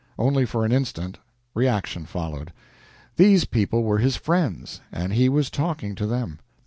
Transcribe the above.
Only for an instant reaction followed; these people were his friends, and he was talking to them.